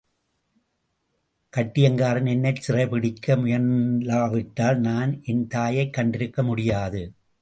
கட்டியங்காரன் என்னைச் சிறைப் பிடிக்க முயலாவிட்டால் நான் என் தாயைக் கண்டிருக்க முடியாது.